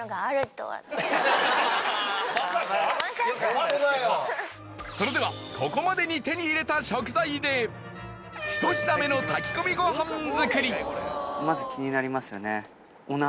まさか⁉それではここまでに手に入れた食材で１品目のまず気になりますよね。